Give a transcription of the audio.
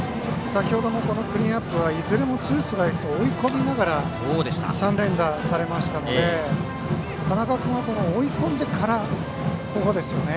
先ほどもクリーンアップはいずれもツーストライクと追い込みながら３連打されましたので田中君は追い込んでからここですよね。